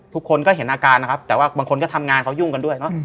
ทุกคนก็เห็นอาการนะครับแต่ว่าบางคนก็ทำงานเขายุ่งกันด้วยเนอะ